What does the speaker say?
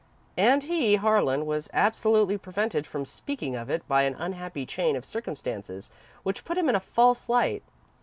And he, Harlan, was absolutely prevented from speaking of it by an unhappy chain of circumstances which put him in a false light!